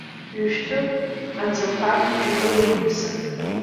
Ҩ-шәҭы канӡақәак игәы иқәыԥсан.